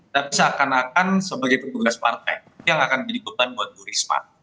tapi seakan akan sebagai petugas partai itu yang akan jadi beban buat bu risma